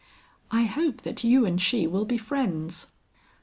"I hope that you and she will be friends."